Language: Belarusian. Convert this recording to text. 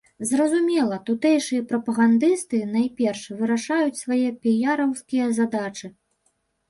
Зразумела, тутэйшыя прапагандысты найперш вырашаюць свае піяраўскія задачы.